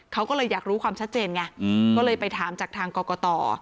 เขาก็เลยอยากรู้ความชัดเจนไงก็เลยไปถามจากทางกรกต